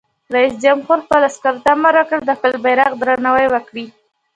رئیس جمهور خپلو عسکرو ته امر وکړ؛ د خپل بیرغ درناوی وکړئ!